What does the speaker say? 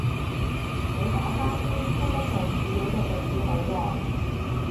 你打返啲出得做語料嘅句子好喎